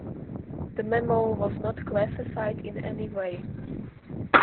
The memo was not classified in any way.